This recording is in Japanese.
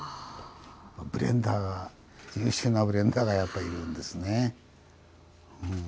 ブレンダーが優秀なブレンダーがやっぱりいるんですね。